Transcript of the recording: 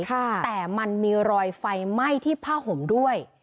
แต่มันมีรอยไฟไหม้ที่ผ้าห่มด้วย